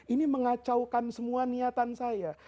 ini mengacaukan semua niatan saya